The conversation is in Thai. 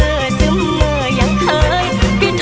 อยากแต่งานกับเธออยากแต่งานกับเธอ